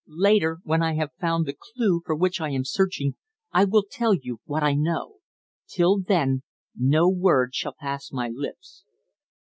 Later, when I have found the clue for which I am searching, I will tell you what I know. Till then, no word shall pass my lips."